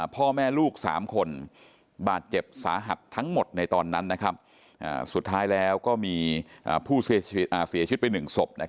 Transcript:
พ่อแม่ลูก๓คนบาดเจ็บสาหัสทั้งหมดในตอนนั้นสุดท้ายแล้วก็มีผู้เสียชีวิตไป๑ศพ